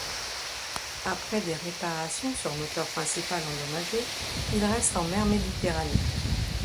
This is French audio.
Après des réparations sur moteur principal endommagé il reste en mer Méditerranée.